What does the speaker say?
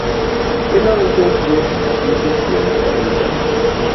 I na ntuo tuo i pi té nkwet njap bi.